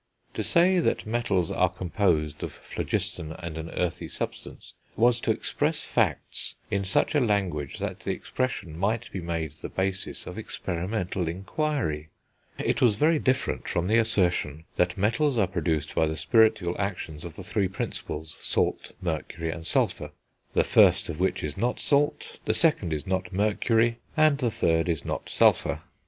To say that metals are composed of phlogiston and an earthy substance, was to express facts in such a language that the expression might be made the basis of experimental inquiry; it was very different from the assertion that metals are produced by the spiritual actions of the three Principles, salt, mercury and sulphur, the first of which is not salt, the second is not mercury, and the third is not sulphur.